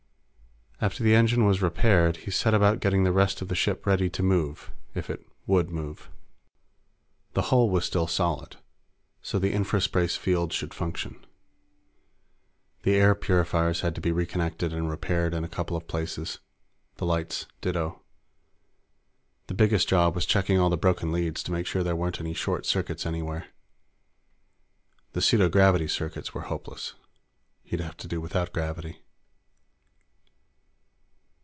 After the engine was repaired, he set about getting the rest of the ship ready to move if it would move. The hull was still solid, so the infraspace field should function. The air purifiers had to be reconnected and repaired in a couple of places. The lights ditto. The biggest job was checking all the broken leads to make sure there weren't any short circuits anywhere. The pseudogravity circuits were hopeless. He'd have to do without gravity.